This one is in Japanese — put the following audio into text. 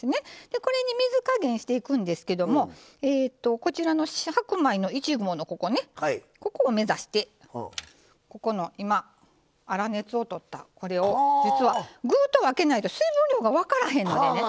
これに水加減をしていくんですけども白米の１合のここを目指して粗熱をとった、これを実は具と分けないと水分量が分からへんのでね。